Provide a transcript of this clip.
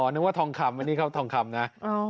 นึกว่าทองคำอันนี้เขาทองคำนะ